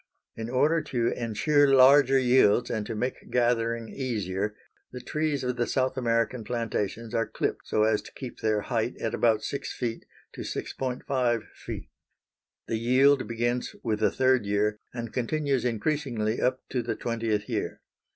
In order to insure larger yields and to make gathering easier the trees of the South American plantations are clipped so as to keep their height at about 6 feet to 6.5 feet. The yield begins with the third year and continues increasingly up to the twentieth year.